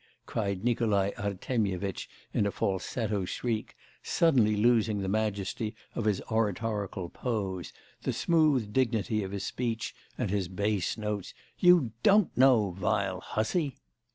cried Nikolai Artemyevitch in a falsetto shriek, suddenly losing the majesty of his oratorical pose, the smooth dignity of his speech, and his bass notes. 'You don't know, vile hussy!